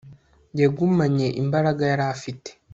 yagumanye imbaraga yari afite